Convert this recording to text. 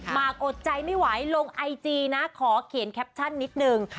มากอดใจไม่ไหวลงไอจีนะขอเขียนแคปชั่นนิดนึง